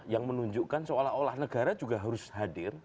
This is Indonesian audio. yang menunjukkan seolah olah negara juga harus hadir